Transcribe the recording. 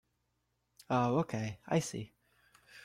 Oh okay, I see.